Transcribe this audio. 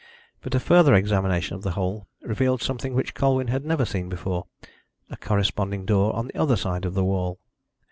But a further examination of the hole revealed something which Colwyn had never seen before a corresponding door on the other side of the wall.